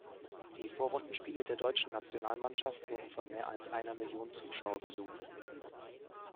Die Vorrundenspiele der deutschen Nationalmannschaft wurden von mehr als einer Million Zuschauer besucht.